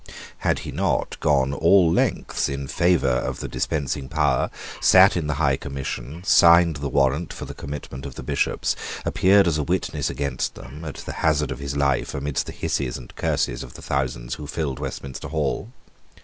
Had he not gone all lengths in favour of the dispensing power, sate in the High Commission, signed the warrant for the commitment of the Bishops, appeared as a witness against them, at the hazard of his life, amidst the hisses and curses of the thousands who filled Westminster Hall?